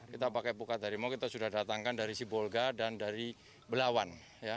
kita pakai pukat harimau kita sudah datangkan dari sibolga dan dari belawan